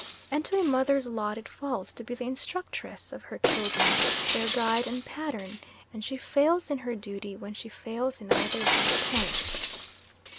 And to a mother's lot it falls to be the instructress of her children their guide and pattern, and she fails in her duty when she fails in either of these points.